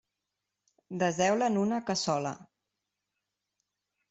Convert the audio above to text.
Deseu-la en una cassola.